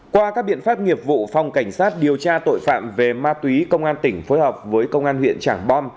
qua các biện pháp nghiệp vụ phòng cảnh sát điều tra tội phạm về ma túy công an tỉnh phối hợp với công an huyện trảng bom